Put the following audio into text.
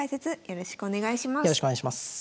よろしくお願いします。